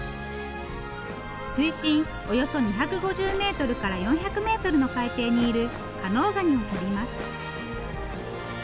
水深およそ２５０メートルから４００メートルの海底にいる加能ガニを取ります。